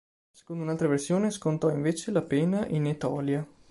Secondo un'altra versione scontò invece la pena in Etolia.